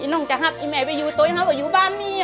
น้องจะหับไอ้แม่ไปอยู่ตัวหับว่าอยู่บ้านนี้